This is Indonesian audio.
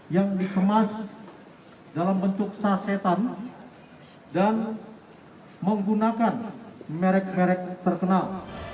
yang dikemas dalam bentuk sasetan dan menggunakan merek merek terkenal